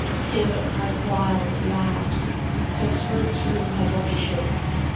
Tiamat cried wild and loud Till through and through her body shook.